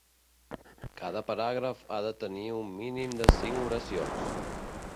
Cada paràgraf ha de tenir un mínim de cinc oracions.